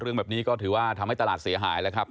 เรื่องแบบนี้ก็ถือว่าทำให้ตลาดเสียหายแล้วครับ